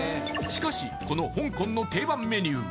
しかしこの香港の定番メニュー